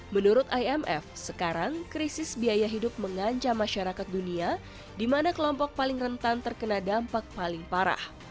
menurut imf sekarang krisis biaya hidup mengancam masyarakat dunia di mana kelompok paling rentan terkena dampak paling parah